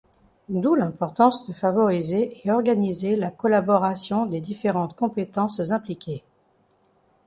D'où l'importance de favoriser et organiser la collaboration des différentes compétences impliquées.